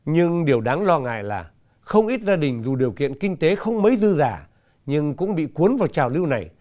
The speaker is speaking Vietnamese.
nhưng điều đáng lo ngại là không ít gia đình dù điều kiện kinh tế không mấy dư giả nhưng cũng bị cuốn vào trào lưu này